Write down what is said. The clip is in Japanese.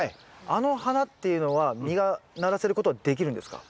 あの花っていうのは実がならせることはできるんですか？